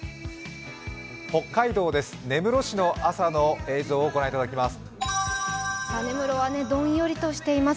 北海道です、根室市の朝の映像を御覧いただきます。